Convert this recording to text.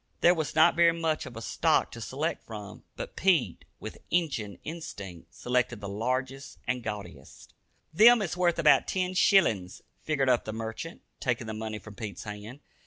There was not very much of a stock to select from, but Pete, with "Injun" instinct, selected the largest and gaudiest. "Them is wurth about ten shillins," figured up the merchant, taking the money from Pete's hand.